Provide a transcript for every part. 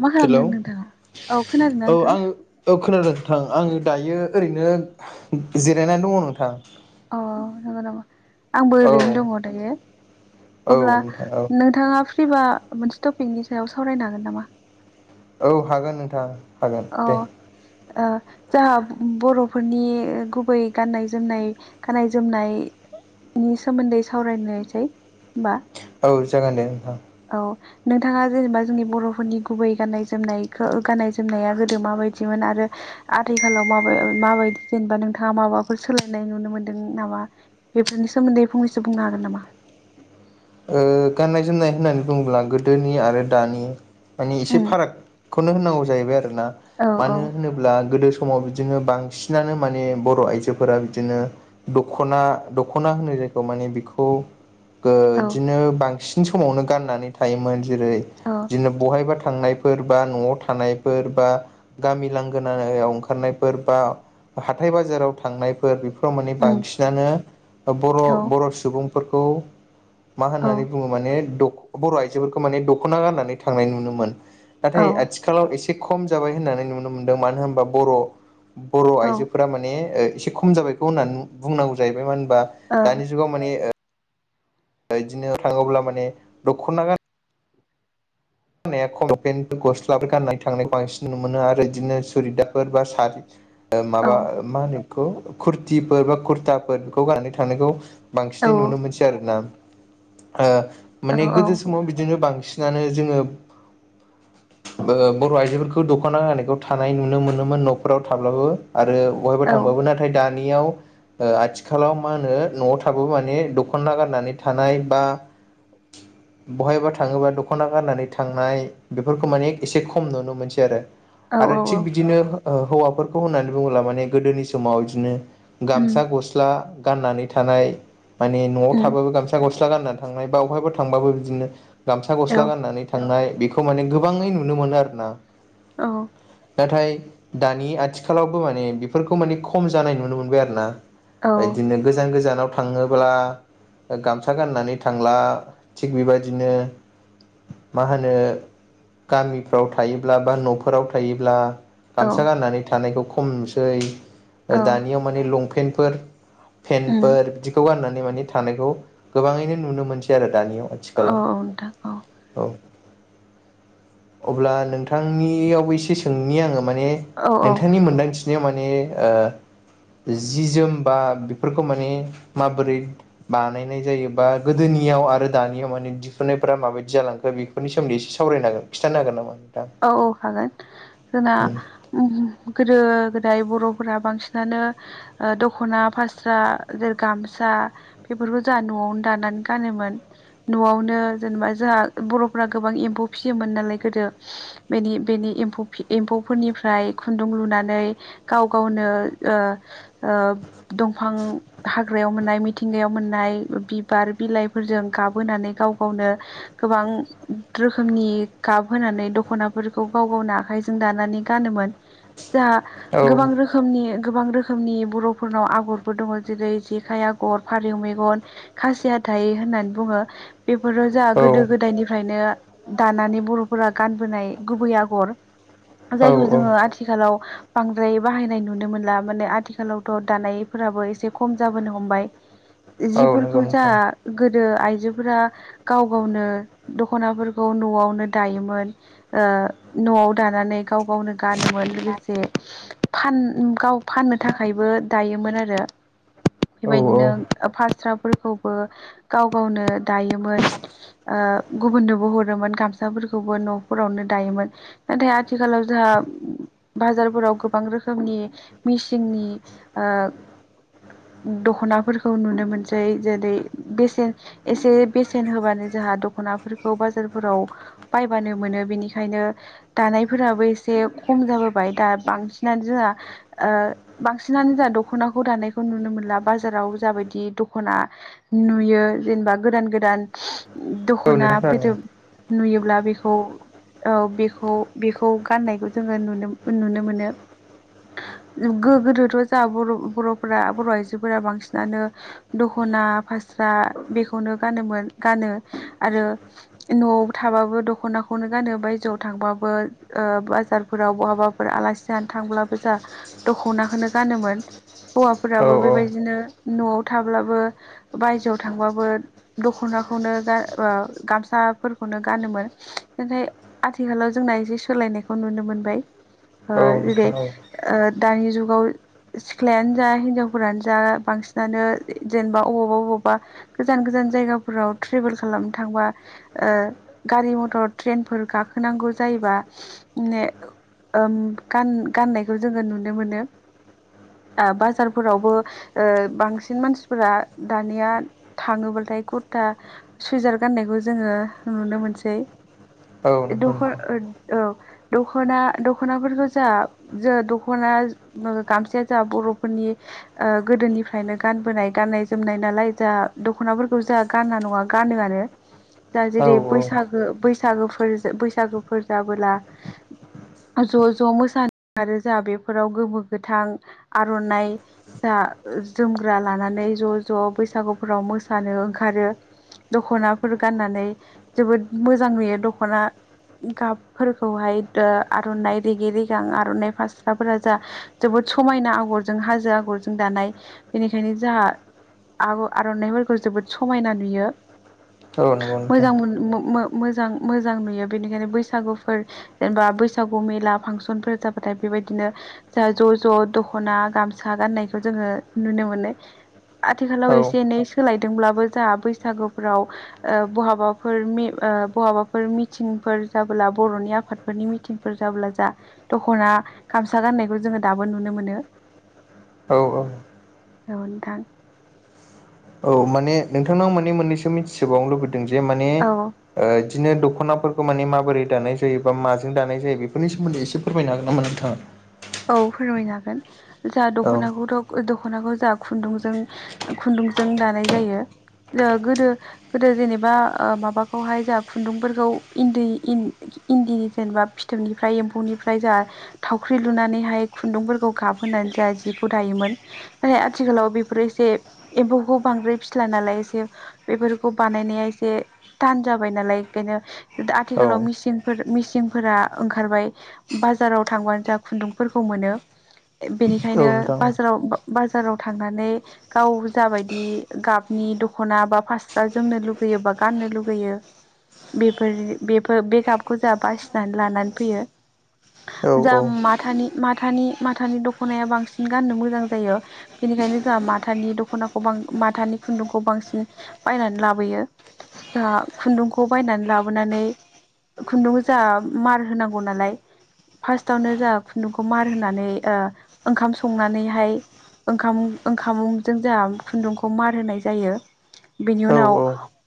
मा हेलौ खालामदों नोंथाङा औ खोनादोंना औ नोंथां आं औ खोनादों। ओं आंङो दायो ओरैनो जिरायनानै दङ नोंथां। औ नंगौ नामा। आंबो औ ओरैनो दङ दायो अब्ला नोंथां औ नोंथांङा फ्रिबा मोनसे टपिकनि सायाव सावरायनो हागोन नामा? औ हागोन नोंथां हागोन अ दे। ओ जाहा बर'फोरनि गुबै गाननाय जोमनाय गाननाय जोमनाय नि सोमोन्दै सावरायनायसै होमबा खसागोन दे नोंथां औ नोंथाङा जेनेबा जोंनि बर'फोरनि गुबै गाननाय जोमनायखौ गाननाय जोमनाया गोदो माबायदिमोन? आरो आथिखालाव माब माबायदि जेनेबा नोंथाङा माबाफोर सोलायनाय नुनो मोनदों नामा? बेफोरनि सोमोन्दै फंनैसो बुंनो हागोन नामा? ओ गाननाय जोमनाय होननानै बुङोब्ला गोदोनि आरो दानि मानि एसे उम फारागखौनो होननांगौ जाहैबाय आरोना औ औ मानो होनोब्ला गोदो समाव बिदिनो बांसिनानो माने बर' आइजोफोरा बिदिनो दख'ना दख'ना होनो जेरखौ माने बिखौ ओ औ बिदिनो बांसिन समावनो गाननानै थायोमोन जेरै औ बिदिनो बहायबा थांनाय फोर बा न'आव थानायफोर बा गामि लांगोनायाव ओंखारनायफोर बा हाथाय बाजाराव थांनायफोर बेफोर फ्राव माने उम बांसिनानो बर' औ बर' सुबुंफोरखौ मा औ होननानै बुङो माने दख बर' आइजोफोरखौ माने दखना गाननानै थांनाय नुनो मोन। औ नाथाय आथिखालाव एसे खम जाबाय होननानै नुनो मोनदों मानो होनबा बर' बर' ओ आइजोफोरा माने एसे खम जाबायखौ होननानै बुंनांगौ जाहैबाय मा होन बा औ दानि जुागाव माने ओ दा इदिनो थाङोब्ला माने दख'ना गान गानाया खमपेेन गस्लाफोर गाननाय थांनायखौ बांसिन नु मोनो आरो बिदिनो सुरिदाफोर बा सारि ओ औ माबा मा होनो बेखौ कुरथिफोर बा कुर्ताफोर बेखौ गाननानै थानायखौ औ बांसिनै नुनो मोनसै आरोना ओ माने गोदो समाव बिदिनो बांसिन। फिसिनानै जोंङो [inaudible] ओ बर' आइजोफोरखौ दख'ना होनायखौ थानाय नुनो मोनोमोन न'फोराव थाब्लाबो। आरो बहायबा औ थांबाबो नाथाय दानि। दानियाव ओ आथिखालाव मा होनो न'आव थाबा माने दख'ना गारनानै थानाय बा [inaudible] बहायबा थांङोबा दख'ना गाननानै थांनाय बेफोरखौ माने एसे खम नुनो मोनसै आरो औ आरो औ औ थिग बिदिनो ओ हौवाफोरखौ होननानै बुङोब्ला माने गोदोनि समाव बिदिनो उम गामसा गस्ला। गाननानै थानाय माने न'आव उम थाबाबो गामसा गस्ला गाननानै थांनाय बा बबेहायबा थांबाबो बिदिनो। गामसा औ गस्ला गाननानै थांनाय बेखौ माने गोबाङै नुनो मोनो आरो ना। औ। नाथाय दानि आथिखालावबो माने बेफोरखौ माने खम जानाय नुनो मोनबाय आरो ना। औ ओ बिदिनो गोजान गोजानाव थाङोब्ला। गामसा गाननानै थांला थिग बेबायदिनो। मा होनो गामिफ्राव थायोब्ला बा न'फोराव थायोब्ला। औ गामसा गाननानै थानायखौ खम नुसै औ दानियाव माने लंपेन्टफोर। उम फेनफोर बिदिखौ गाननानै माने थानायखौ गोबाङैनो नुनो मोनसै आरो। दानियाव औ आथिखालाव। औ नोंथां औ औ अब्ला नोंथांनियावबो एसे सोंनि आङो। माने औ औ नोंथांनि मोन्दांथिनायाव माने ओ। जि जोम बा बेफोरखौ माने माबोरै बानायनाय जायो बा गोदोनि। नियाव आरो दानियाव माने दिहुननायफोरा माबायदि जालांखो बेफोर सोमोन्दैसे सावरायनांगोन खिथानो हागोन नामा। औ औ हागोन जोंना गोदो गोद दाय बर'फोरा बांसिनानो ओ दखना फास्रा जेरै गामसा बेफोर। बे फोरखौ जोंङा न'आवनो दानानै गानोमोन न'आवनो जेनेबा जोंङा बर'फोरा गोबां एम्फौ फिसि। सियोमोन नालाय गोदो। बेनि बेनि एम्फौ फि एम्फौफोरनिफ्राय खुन्दुं लुनानै गाव गावनो ओ ओ दंफां हाग्रायाव मोननाय मिथिंगायाव मोननाय बिबार बिलाइफोरजों गाबहोनै गाव गावनो गोबां रोखोमनि गाबहोनानै दख'नाफोरखौ गाव गावनो आखायजों दानानै गानोमोन जोंहा गोबां रोखोमनि। गोबां रोखोमनि बर'फोरनाव आगरफोर दङ जेरै जेखाइ आग'र फारौ मेगन खासिया हाथाय होननानै बुङो बेफोरो जों गोदो गोदायनिफ्रायनो दानानै बर'फोरा गानबोनाय गुबै आगर जायखौ खिन्थानो जोङो हागोन आथिखालाव बांद्राय बाहायनाय नुनो मोनला माने आथिखालावथ' दानायफोराबो एसे खम जाबोनो हमबाय। नामा नोंथां? औ नंगौ जिफोरखौ जा नोंथां गो गोदो आइजोफोरा गाव गावनो दख'नाफोरखौ न'आवनो दायोमोन। ओ न'आव दानानै गाव गावनो गानोमोन लोगोसे। फान गाव फाननो थाखायबो दायोमोन आरो औ बेबायदिनो ओ फास्राफोरखौ। बो गाव गावनो दायोमोन ओ गुबुननोबो हरोमोन गामसाफोरखौबो न' फोरावनो दायोमोन नाथाय आथिखालाव जोंहा बाजारफोराव गोबां रोखोमनि मिसिंनि ओ दखनाफोरखौ नुनो मोनसै जेरै बेसेन एसे बेसेन होबानो ज जोंहा दख'नाफोरखौ बाजारफोराव बायबानो मोनो बेनिखायनो दानायफोराबो एसे खम जाबोबाय दा बांसिनानो जोंहा ओ बांसिनानो जा दख'नाखौ दानायखौ नुनो मोनला बाजाराव जाबायदि दखना नुयो। यो जेनेबा गोदान गोदान औ दखना नोंथां फैदोब नुयोब्ला बेखौ। औ बेखौ बेखौ गाननायखौ जोङो नुनो नुनो मोनो। गो-गोदोथ' जाहा बर'-बर'फोरा बर' आयजोफोरा बांसिनानो दख' अना फासरा बेखौनो गानो मोन गानो आरो नआवबो थाबाबो दख'नाखौनो गानो बायजोआव थांबाबो ओ बाजारफोराव बहाबाफोर आलासि जानो थांब्लाबो जा। दख'नाखौनो गानोमोन। हौवाफोराबो बेबायदिनो न'आव थाब्लाबो बायजोआव थांबाबो दख'ना खौनो गान अ गामसाफोरखौनो गानोमोन। नाथाय आथिखालाव जोंना एसे सोलायनायखौ नुनो मोनबाय। ओ जेरै ओ दानि जुगाव सिख्लायानो जा हिनजावफोरानो जा बां सिनानो जेनेबा अबावबा बबावबा गोजान गोजान जायगाफोराव ट्रेभेल खालामनो थांबा ओ गारि मथर ट्रेनफोर गाखोनांगौ जायोबा ने ओम गान-गाननायखौ जोङो नुनो मोनो। आ बाजारफोरावबो ओ बांसिन मानसिफोरा दानिया थाङोब ओमफ्राय कुरता स्विजार गाननायखौ जोङो नुनो मोनसै। खोनादों औ औ नोंथां औ नंगौ दखर नोंथां ओ औ। दख'ना दख'नाफोरखौ जा जा दख'ना गामसाया जाहा बर'फोरनि ओ गोदोनिफ्रायनो गानबोनाय गाननाय जोमनाय नालाय जा दख'नाफोरखौ जा गाना नङा गानोआनो दा औ जेरै बैसागो बैस सागोफोर बैसागोफोर जाबोला ज' ज' मोसानो आरो जा बेफोराव गोमो गोथां आर'नाय जा जोमग्रा लानानै ज' ज' बैसागुफोराव मोसानो ओंखारो। दख'नाफोर गाननानै जोबोद मोजां नुयो दख'ना गाबफोरखौहाय दा आर'नाय रेगे रेगां आर'नाय फासराफोरा जा जोबोद समायना आगरजों हाजो आगरजों दानाय बेनिखायनो जाहा आर'-आर'नायफोरखौ जोबोद समायना नुयो। औ नंगौ नोंथां मोजां मोन मो-मो-मोजां। मोजां नुयो बेनिखायनो बैसागुफोर जेनेबा बैसागु मेला फांसनफोर जाबाथाय बेबायदिनो जा ज' ज' दख'ना गामसा गाननायखौ जोङो नुनो मोनो। आथिखालाव एसे औ एनै सोलायदोंब्लाबो जाहा बैसागुफोराव ओ बहाबाफोर मे ओ बहाबा फोर मिथिंफोर जाबोला बर'नि आफादफोरनि मिथिंफोर जाबोला जा दख'ना गामसा गान नायखौ जोङो दाबो नुनो मोनो। औ औ औ नोंथां। औ माने नोंथांनाव माने मोननैसो मिथिसोबावनो लुबैदों जे माने औ ओ बिदिनो दख'नाफोरखौ माने माबोरै दानाय जायो बा माजों दानाय जायो बेफोरनि सोमोन्दै एसे फोरमायनो हागोन नामा नोंथाङा? औ फोरमायनो हागोन जा औ दख'नाखौथ दख' दख'नाखौ जाहा खुन्दुंजों खुन्दुंजों दानाय जायो। जामा गोदो गोदो जेनेबा आ माबाखौहाय जाहा खुन्दुंफोरखौ इन्दि इन इन्दिनि जेनेबा फिथोबनिफ्राय एम्फौनिफ्राय जा थावख्रि लुनानैहाय खुन्दुंफोरखौ गाबहानै जाहा जिखौ दायोमोन नाथाय आथिखालाव बेफोर एसे एम्फौखौ बांद्राय फिला नालाय एसे बेफोरखौ बानायनाया एसे तान जाबाय नालाय ओंखाय नो दा आथिखालाव औ मिसिनफोर मिसिनफोरा ओंखारबाय बाजाराव थांबानो जा खुन्दुंफोरखौ मोनो औ बेनिखायनो नोंथां बाजाराव बाजाराव थांनानै गाव जाबायदि गाबनि दख'ना बा फासरा जोमनो लुुबैय योबा गाननो लुुबैयो। बेफोर बेफोर बे गाबखौ जाहा बासिनानै लानानै फैयो। औ औ। थानि माथानि माथानि दखनाया बांसिन गाननो मोजां जायो बेनिखायनो जाहा माथानि दख' नाखौ बां माथानि खुन्दुंखौ बांसिन बायनानै लाबोयो। जों खुन्दुंखौ बायनानै लाबोनानै खुन्दुं जा मार होनांगौ नालाय फार्स्टावनो जा। खन्दुखौ मार होनानै ओंखाम संनानैहाय ओंखाम ओंखामुंजों जोंहा खुन्दुंखौ मार होनाय जायो बेनि औ उनाव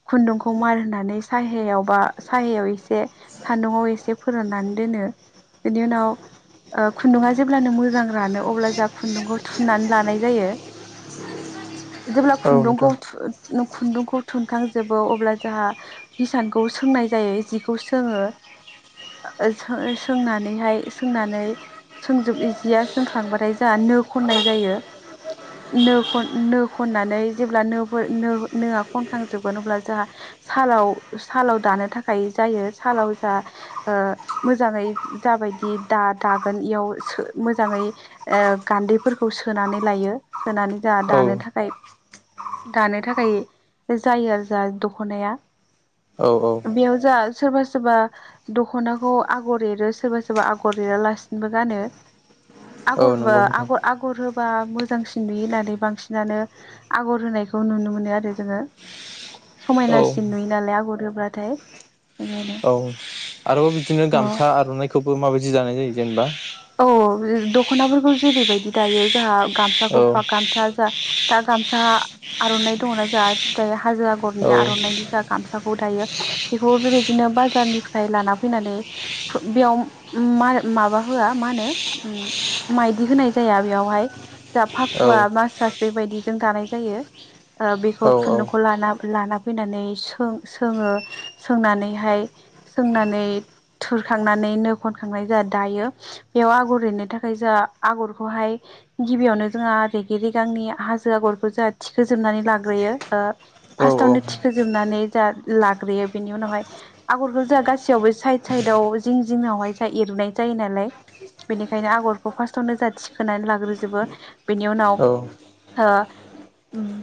खुन्दुंखौ मार होनानै साहायाव बा साहायाव एसे सान्दुं आव एसे फोराननानै दोन नो बेनि उनाव ओ खुन्दुंङा जेब्लानो मोजां रानो अब्ला जों खुन्दुंखौ थुनानै लानाय जायो। जेब्ला औ खुन्दुंखौ नोंथां थु खुन्दुंखौ थुनखांजोबो अब्ला जोंहा हिसानखौ सों नाय जिखौ सोङो सो सोंनानै हायो सोंनानै। सोंजोब इजया सोंख्लांबाथाय जोंना नी खननाय जायो नो नो खननानै जेब्ला नो नोआ खनखांजोबगोन अब्ला जोंहा सालाव सालाव दानो थाखाय जायो सालाव जा मोजांङै जा [inaudible] बायदि दा दागोन इयाव मोजांङै गान्दैफोरखौ सोनानै लायो सोनानै जोंहा दा दा औ नों थाखाय दानो थाखाय जायो आरो जों दख'नाया औ औ बेयाव जा सोरबा सोरबा दख'नाखौ आगर एरो सोरबा सोरबा आगर एरा लाै सिनबो गानो औ आगरबा नंगौ नोंथां आगर आगर होबा मोजांसिन नुयो होननानै बांसिनानो आगर होनाय बेखौ नुनो मोनो आरो जोंङो औ समायनासिन नुयो नालाय आगरोब्लाथाय बेखायनो औ आरोबाव बिदिनो औ गामसा आर'नाइखौबो माबायदि जानाय जायो जेनेबा औ दख'नाफोरखौ जेरैबायदि दायो जोहा गामसाखौ औ गामसा जा दा गामसा आर'नाइ दंङना जाहा जाय हाजो आगरनि औ आर'नाइनि जा गामसा दायो बेखौ बेबायदिनो बाजारनिफ्राय लाना फैनानै बेयाव माबा होया मा होनो ओ‌म माइदि होनाय जाया बेङावहाय दा औ पाखुवा मास सास बेबायदिजों दानाय जायो बेखौ औ खुन्दुंखौ लाना लाना फैनानै सों सोंङो सोंनानैहाय सोंनानै थुरखांनानै नो खनखांनाय जोंहा दायो बेयाव आगर एरनो थाखाय जोंहा आग'रखौहाय गिबियावनो जोंहा रेग रेगांनि जों आगरखौ जा थिखोजोबनानै लाग्रोयो ओ फार्स्टावनो औ थिखोजोबनानै जा लाग्रोयो बेनि उनावहाय आगरखौ जोंहा गासैयावबो साइद साइदाव जिं जिंवहाय जोंहा एरुनाय जायो नालाय बेनिखायनो आगरखौ फार्स्टावनो जा थिखोनानै लाग्रोजोबो बेनि उनाव औ ओ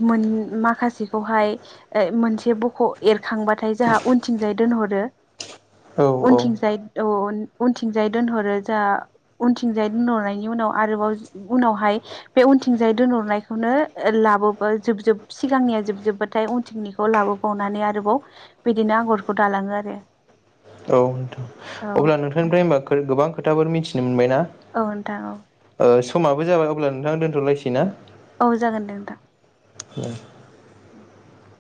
मोन माखासेखौहाय मोनसे बख' एरखां बाथाय जोंहा उनथिंजाय दोनहरो औ औ उनथिंजाय औ उनथिंजाय दोनहरो जा उनथिंजायै दोनहरनायनि उनाव आरोबाव उनावहाय बे उनथिंजाय दोनहरनायखौनो ओ लाबो जोब जोब सिगांनिया जोबजोबबाथाय उनथिंनिखौ लाबोबावनानै आरोबाव बिदिनो आगरखौ दालांङो आरो औ नोंथां औ अब्ला नोंथांनिफ्राय होमबा गोबां खोथाफोर मिथिनो मोनबाय औ नोंथां औ समाबो जाबाय अब्ला नोंथां दोनथ'लायसै ना औ जागोन दे [inaudible]